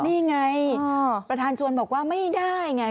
นี่ไงประธานชวนบอกว่าไม่ได้ไง